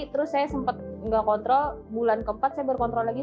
terus saya sempat nggak kontrol bulan keempat saya baru kontrol lagi